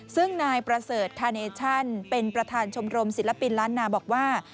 ซึ่งนายประเสริฐคาเนชั่นเป็นประธานชมรมศิลปินล้านนาบอกว่า